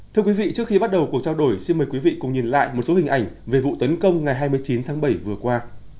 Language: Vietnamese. thưa quý vị trước khi bắt đầu cuộc trao đổi xin mời quý vị cùng nhìn lại một số hình ảnh về vụ tấn công ngày hai mươi chín tháng bảy vừa qua